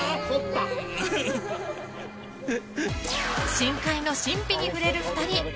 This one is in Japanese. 深海の神秘に触れる２人。